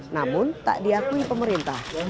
namun tak diakui pemerintah